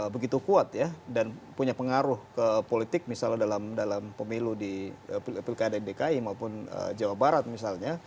begitu kuat ya dan punya pengaruh ke politik misalnya dalam pemilu di pilkada dki maupun jawa barat misalnya